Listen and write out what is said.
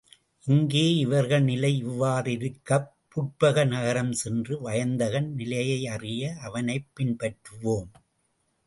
இங்கே இவர்கள் நிலை இவ்வாறிருக்கப் புட்பக நகரம் சென்ற வயந்தகன் நிலையை அறிய அவனைப் பின்பற்றுவோம்.